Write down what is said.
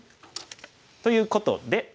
ということで。